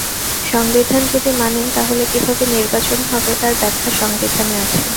সংবিধান যদি মানেন তাহলে কীভাবে নির্বাচন হবে তার ব্যাখ্যা সংবিধানে আছে।